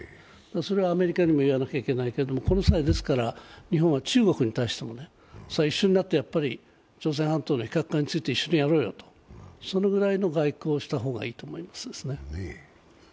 それはアメリカにも言わなきゃいけないけどこの際、日本は中国に対しても朝鮮半島の非核化について一緒にやろうと、そのぐらいの外交をした方がいいと思いますね。